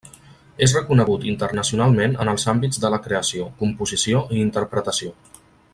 És reconegut internacionalment en els àmbits de la creació, composició i interpretació.